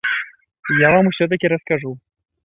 Я вам усё-такі раскажу.